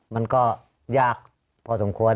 มันก็ยากพอสมควร